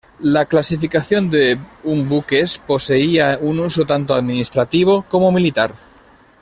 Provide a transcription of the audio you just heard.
La clasificación de un buques poseía un uso tanto administrativo como militar.